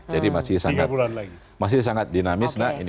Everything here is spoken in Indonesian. jadi masih sangat dinamis